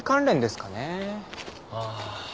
ああ。